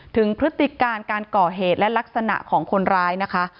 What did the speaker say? พฤติการการก่อเหตุและลักษณะของคนร้ายนะคะ